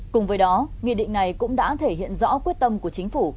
cùng với đó nghị định này cũng đã thể hiện rõ quyết tâm của chính phủ